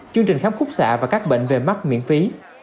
chương trình khám khúc xạ và các bệnh về mắt miễn phí